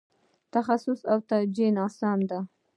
تخصیص او توجیه ناسمه ده.